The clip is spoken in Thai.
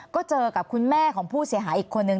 ก็เจอกับคุณแม่ของผู้เสียหายอีกคนนึง